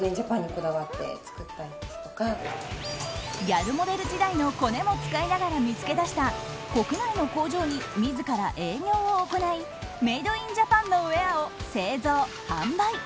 ギャルモデル時代のコネも使いながら見つけ出した国内の工場に自ら営業を行いメイドインジャパンのウェアを製造・販売。